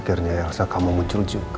akhirnya elsa kamu muncul juga